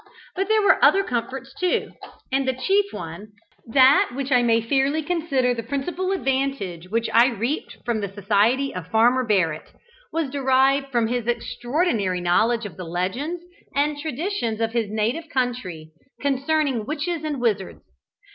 But there were other comforts too, and the chief one that which I may fairly consider the principal advantage which I reaped from the society of Farmer Barrett was derived from his extraordinary knowledge of the legends and traditions of his native county concerning witches and wizards.